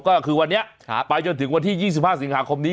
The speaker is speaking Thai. ก็คือวันนี้ไปจนถึงวันที่๒๕สิงหาคมนี้